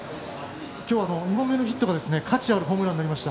きょうは、２本目のヒットが価値あるホームランになりました。